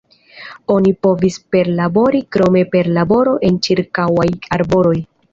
Oni povis perlabori krome per laboro en ĉirkaŭaj arbaroj.